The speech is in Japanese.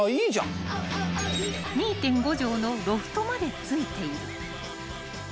［２．５畳のロフトまで付いている］